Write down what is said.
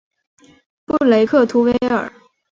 布雷克图维尔。